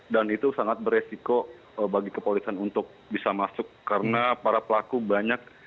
dan itu sangat beresiko bagi kepolisian untuk bisa masuk karena para pelaku banyak